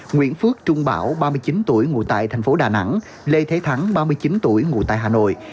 nguyễn phước trung bảo ba mươi chín tuổi ngụ tại thành phố đà nẵng lê thế thắng ba mươi chín tuổi ngụ tại hà nội